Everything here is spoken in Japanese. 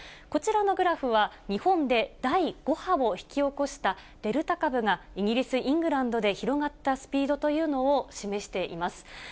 こちらのグラフは、日本で第５波を引き起こしたデルタ株が、イギリス・イングランドで広がったスピードというのを示しています。